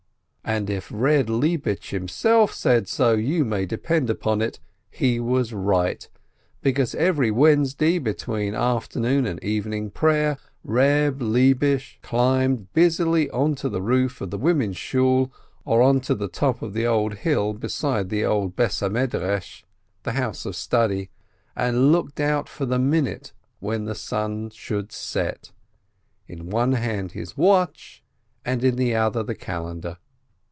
And if Reb Lebish himself said so, you may depend upon it he was right, because every Wednesday, between After noon and Evening Prayer, Reb Lebish climbed busily onto the roof of the women's Shool, or onto the top of the hill beside the old house of study, and looked out for the minute when the sun should set, in one hand his watch, and in the other the calendar.